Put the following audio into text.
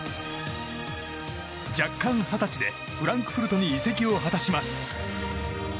弱冠二十歳で、フランクフルトに移籍を果たします。